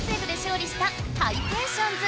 うりしたハイテンションズ！